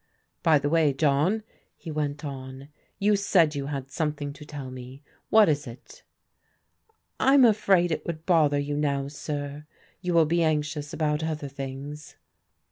" By the way, John," he went on, " you said you had something to tell me. What is it ?"" I'm afraid it would bother you now, sir. You will be anxious about other things."